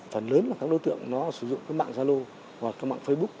phần lớn là các đối tượng sử dụng mạng zalo hoặc mạng facebook